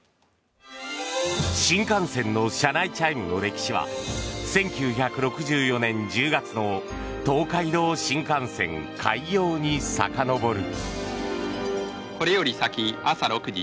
新幹線の車内チャイムの歴史は１９６４年１０月の東海道新幹線開業にさかのぼる。